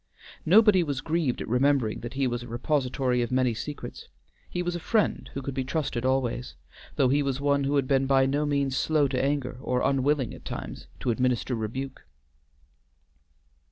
Nobody was grieved at remembering that he was a repository of many secrets; he was a friend who could be trusted always, though he was one who had been by no means slow to anger or unwilling at times to administer rebuke.